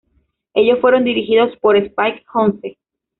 Ellos fueron dirigidos por Spike Jonze.